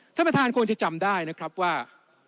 ท่านประธานควรจะจำได้นะครับว่า